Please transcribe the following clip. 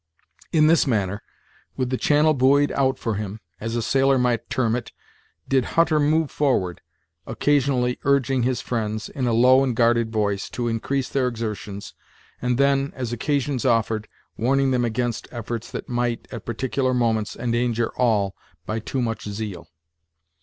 In this manner, with the channel buoyed out for him, as a sailor might term it, did Hutter move forward, occasionally urging his friends, in a low and guarded voice, to increase their exertions, and then, as occasions offered, warning them against efforts that might, at particular moments, endanger all by too much zeal.